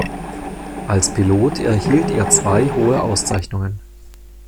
Als Pilot erhielt er zwei hohe Auszeichnungen.